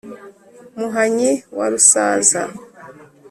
muhanyi wa rusaza